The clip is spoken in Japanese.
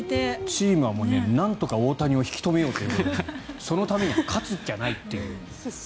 チームはなんとか大谷を引き留めようということでそのためには勝つしかないという。